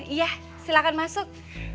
iya silahkan masuk